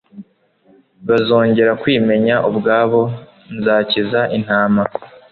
bazongera kwimenya ubwabo nzakiza intama